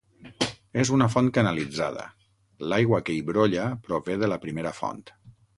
És una font canalitzada; l'aigua que hi brolla prové de la primera font.